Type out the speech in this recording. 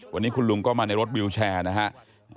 วันนี้คุณลุงก็มาในรถวิวแชร์นะครับ